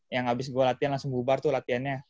yang abis gue latihan langsung bubar tuh latihannya